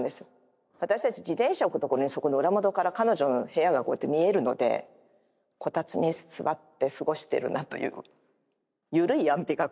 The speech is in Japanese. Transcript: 私たち自転車を置くとこにそこの裏窓から彼女の部屋がこうやって見えるのでこたつに座って過ごしてるなという緩い安否確認。